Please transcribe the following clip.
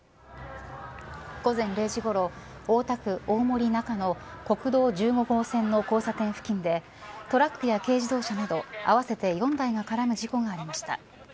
午前０時ごろ、大田区大森中の国道１５号線の交差点付近でトラックや軽自動車など合わせて４台が絡む事故がありました。